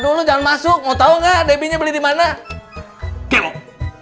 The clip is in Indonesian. kok eh taduh jangan masuk mau tahu nggak debinya beli dimana kek